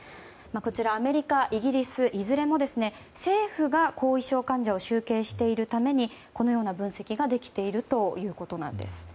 こちらアメリカイギリスいずれも政府が後遺症患者を集計しているためにこのような分析ができているということなんです。